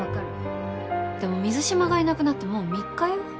でも水島がいなくなってもう３日よ。